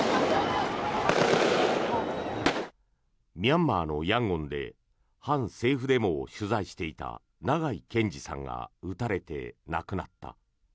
ミャンマーのヤンゴンで反政府デモを取材していた長井健司さんが撃たれて亡くなった。